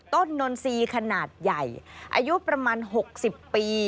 ต้นนนท์ซีขนาดใหญ่อายุประมาณ๖๐ปี